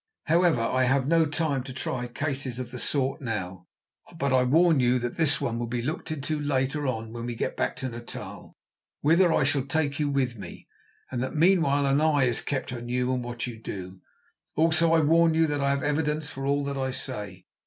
However, I have no time to try cases of the sort now. But I warn you that this one will be looked into later on when we get back to Natal, whither I shall take you with me, and that meanwhile an eye is kept on you and what you do. Also I warn you that I have evidence for all that I say.